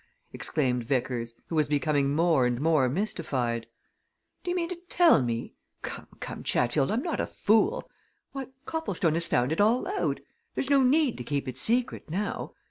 exclaimed Vickers, who was becoming more and more mystified. "Do you mean to tell me come, come, Chatfield, I'm not a fool! Why Copplestone has found it all out there's no need to keep it secret, now.